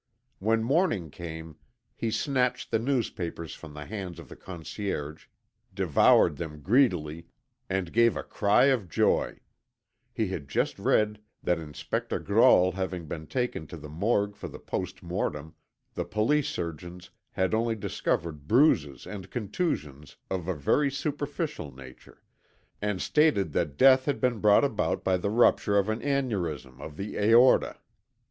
When morning came he snatched the newspapers from the hands of the concierge, devoured them greedily, and gave a cry of joy; he had just read that Inspector Grolle having been taken to the Morgue for the post mortem, the police surgeons had only discovered bruises and contusions of a very superficial nature, and stated that death had been brought about by the rupture of an aneurism of the aorta.